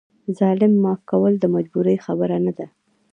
ظالم معاف کول د مجبورۍ خبره نه ده.